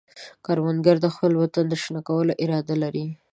کروندګر د خپل وطن د شنه کولو اراده لري